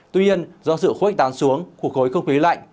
tuy nhiên do sự khuếch tán xuống của khối không khí lạnh